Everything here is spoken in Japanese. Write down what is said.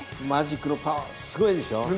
マジックのパワーすごいでしょ？